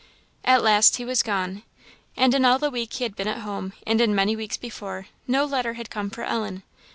At last he was gone. And in all the week he had been at home, and in many weeks before, no letter had come for Ellen.